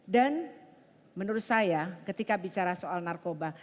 dan menurut saya ketika bicara soal narkoba